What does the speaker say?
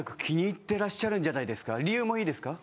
理由もいいですか？